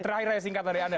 terakhirnya singkat dari anda